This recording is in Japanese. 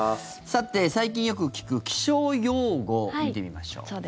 さて、最近よく聞く気象用語、見てみましょう。